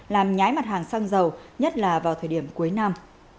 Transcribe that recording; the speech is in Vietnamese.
làm nhái mặt hàng xăng dầu nhất là vào thời điểm cuối năm